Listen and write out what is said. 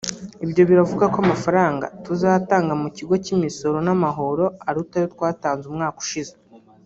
Ibyo biravuga ko amafaranga tuzatanga mu Kigo cy’Imisoro n’Amahoro aruta ayo twatanze umwaka ushize